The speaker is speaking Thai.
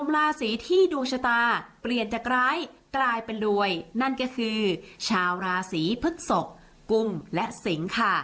ราศีที่ดวงชะตาเปลี่ยนจากร้ายกลายเป็นรวยนั่นก็คือชาวราศีพฤกษกกุมและสิงค่ะ